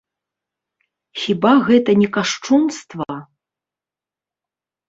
Хіба гэта не кашчунства?